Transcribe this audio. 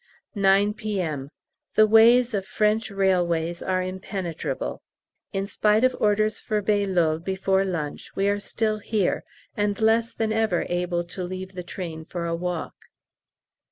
9 P.M. The ways of French railways are impenetrable: in spite of orders for Bailleul before lunch, we are still here, and less than ever able to leave the train for a walk.